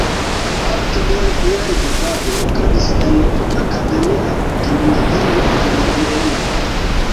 Parto de lia edukado okazis en Akademia Gimnazio en Vieno.